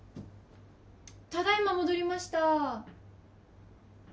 ただいま戻りました